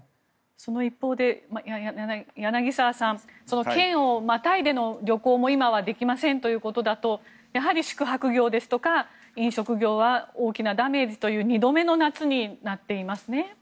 その一方で柳澤さん、県をまたいでの旅行も今はできませんということだとやはり宿泊業ですとか飲食業は大きなダメージという２度目の夏になっていますね。